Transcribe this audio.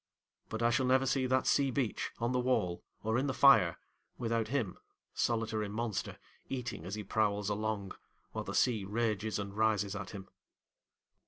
But I shall never see that sea beach on the wall or in the fire, without him, solitary monster, eating as he prowls along, while the sea rages and rises at him.